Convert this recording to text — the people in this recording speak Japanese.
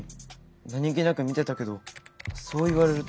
何気なく見てたけどそう言われると。